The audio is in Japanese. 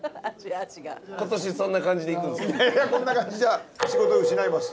いやいやこんな感じでは仕事失います。